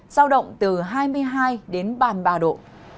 giao động từ hai mươi hai đến ba mươi ba độ